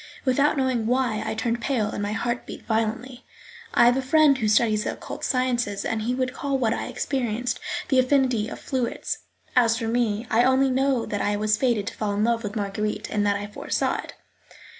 Without knowing why, I turned pale and my heart beat violently. I have a friend who studies the occult sciences, and he would call what I experienced "the affinity of fluids"; as for me, I only know that I was fated to fall in love with Marguerite, and that I foresaw it.